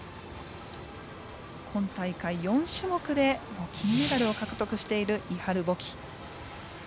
今大会４種目で金メダルを獲得しているイハル・ボキ。